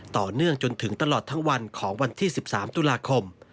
ต่อเนื่องจนถึงตลอดทั้งวันของวันที่๑๓ตุลาคม